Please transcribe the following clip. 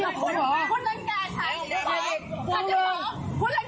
หลังกายฉันได้ยังไง